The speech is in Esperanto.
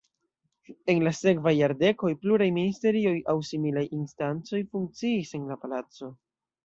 En la sekvaj jardekoj pluraj ministerioj aŭ similaj instancoj funkciis en la palaco.